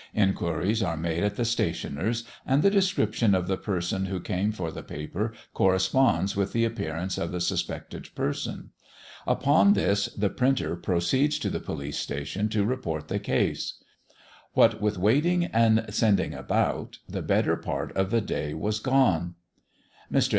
Inquiries are made at the stationer's, and the description of the person who came for the paper corresponds with the appearance of the suspected person. Upon this, the printer proceeds to the police station to report the case. What with waiting and sending about, the better part of the day was gone. Mr.